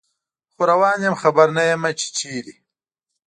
خو روان یم خبر نه یمه چې چیرته